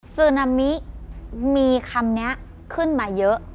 ซึนามิมีคำนี้ขึ้นมาเยอะ